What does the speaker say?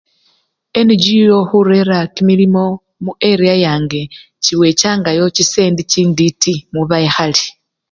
NGO khurera kimilimo mu ariayange chirechangayo chisendi chintiti mubekhali.